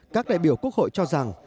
các đại biểu quốc hội cho rằng